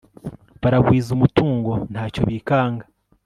baragwiza umutungo, nta cyo bikanga